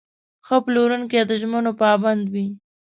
ښه پلورونکی د ژمنو پابند وي.